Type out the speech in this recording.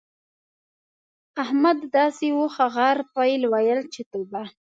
احمد داسې اوښ، غر، پيل؛ ويل چې توبه!